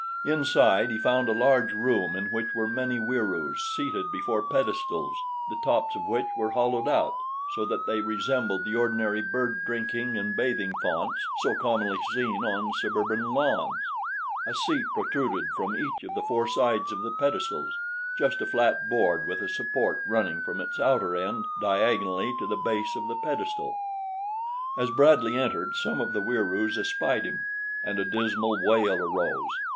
Inside he found a large room in which were many Wieroos seated before pedestals the tops of which were hollowed out so that they resembled the ordinary bird drinking and bathing fonts so commonly seen on suburban lawns. A seat protruded from each of the four sides of the pedestals just a flat board with a support running from its outer end diagonally to the base of the pedestal. As Bradley entered, some of the Wieroos espied him, and a dismal wail arose.